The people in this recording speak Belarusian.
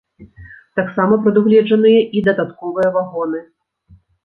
Таксама прадугледжаныя і дадатковыя вагоны.